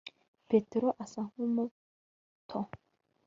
petero asa nkumuto